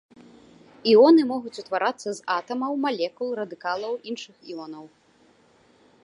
Іоны могуць утварацца з атамаў, малекул, радыкалаў, іншых іонаў.